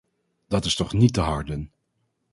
Dat is toch niet te harden.